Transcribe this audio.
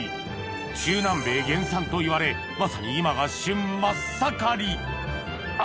中南米原産といわれまさに今が旬真っ盛りあ！